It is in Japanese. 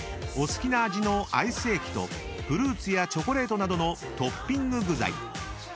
［お好きな味のアイス液とフルーツやチョコレートなどのトッピング具材］